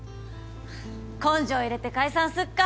根性入れて解散すっか。